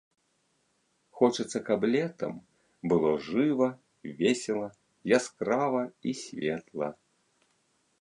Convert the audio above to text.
Хочацца, каб летам было жыва, весела, яскрава і светла.